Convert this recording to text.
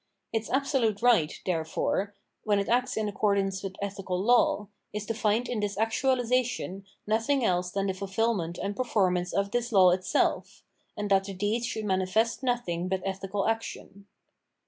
Its absolute right, therefore, when it acts in accordance with ethical law, is to find in this actuahsation nothing else than the fulfilment and performance of this law itself : and that the deed should manifest nothing but ethical action.